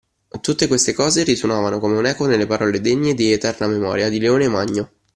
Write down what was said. Tutte queste cose risuonavano come un'eco nelle parole degne di eterna memoria di Leone Magno